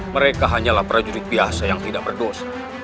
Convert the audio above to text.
mereka hanyalah prajurit biasa yang tidak berdosa